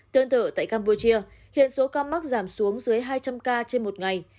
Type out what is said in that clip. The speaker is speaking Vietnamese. tương tự tại campuchia hiện số ca mắc giảm xuống dưới hai trăm linh ca trên một ngày